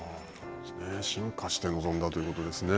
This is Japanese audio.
進化して臨んだということですね。